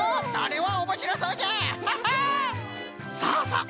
さあさあ